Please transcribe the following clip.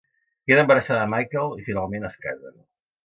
Queda embarassada de Michael i finalment es casen.